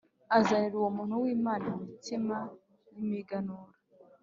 azanira uwo muntu w Imana imitsima y imiganura